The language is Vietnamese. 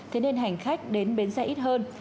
thế nên hành khách đến bến xe ít hơn